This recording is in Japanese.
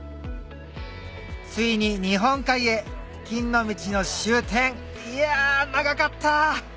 ついに日本海へ金の道の終点いや長かった！